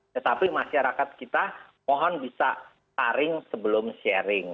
tetapi masyarakat kita mohon bisa taring sebelum sharing